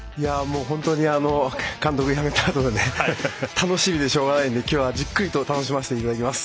本当に監督、辞めたあとで楽しみでしょうがないのできょうはじっくりと楽しませていただきます。